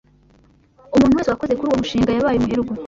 Umuntu wese wakoze kuri uwo mushinga yabaye umuherwe.